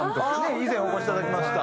以前お越しいただきました。